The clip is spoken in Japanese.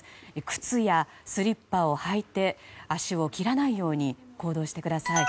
靴やスリッパを履いて足を切らないように行動してください。